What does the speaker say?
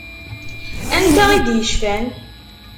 Anta i d-yecfan?